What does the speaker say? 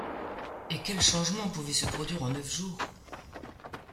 Et quels changements pouvaient se produire en neuf jours !